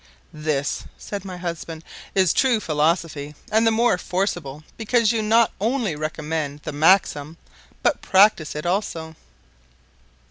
'" "This," said my husband, "is true philosophy; and the more forcible, because you not only recommend the maxim but practise it also."